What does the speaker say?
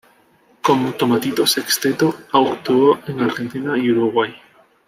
Con Tomatito Sexteto actuó en Argentina y Uruguay.